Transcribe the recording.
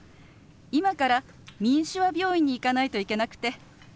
今からみんしゅわ病院に行かないといけなくて。